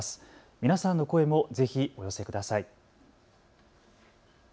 皆さんの声もぜひお寄せください。